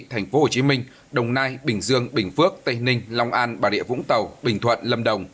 tp hcm đồng nai bình dương bình phước tây ninh long an bà địa vũng tàu bình thuận lâm đồng